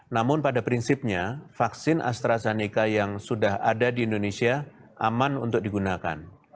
namun pada prinsipnya vaksin astrazeneca yang sudah ada di indonesia aman untuk digunakan